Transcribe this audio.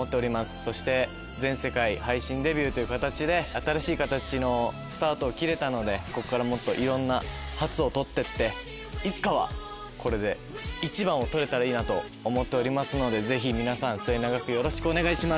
そして全世界配信デビューという形で新しい形のスタートを切れたのでこっからもっといろんな初を取ってっていつかはこれで１番を取れたらいいなと思っておりますのでぜひ皆さん末永くよろしくお願いします。